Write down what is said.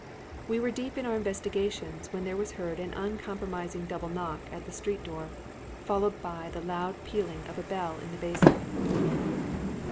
We were deep in our investigations when there was heard an uncompromising double knock at the street door, followed by the loud pealing of a bell in the basement.